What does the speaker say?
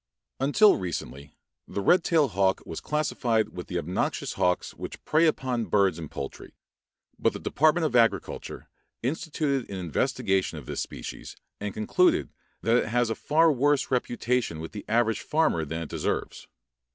Until recently the red tailed hawk was classified with the obnoxious hawks which prey upon birds and poultry, but the Department of Agriculture instituted an investigation of this species and concluded that it has a far worse reputation with the average farmer than it deserves.